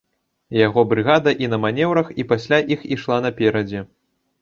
Яго брыгада і на манеўрах, і пасля іх ішла наперадзе.